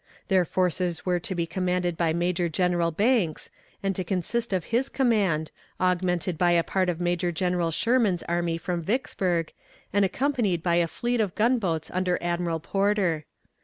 Their forces were to be commanded by Major General Banks, and to consist of his command, augmented by a part of Major General Sherman's army from Vicksburg, and accompanied by a fleet of gunboats under Admiral Porter.